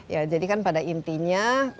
ya jadi kan pada intinya